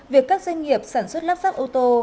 việc các doanh nghiệp sản xuất lắp ráp ô tô